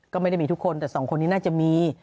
ก็ไม่ได้มีทุกคนแต่สองคนนี้น่าจะมี